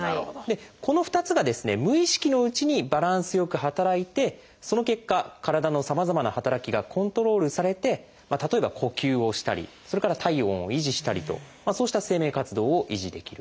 この２つが無意識のうちにバランスよく働いてその結果体のさまざまな働きがコントロールされて例えば呼吸をしたり体温を維持したりとそうした生命活動を維持できるんです。